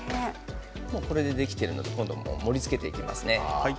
これでできているので盛りつけていきますね。